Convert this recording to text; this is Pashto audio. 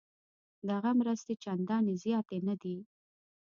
دغه مرستې چندانې زیاتې نه دي.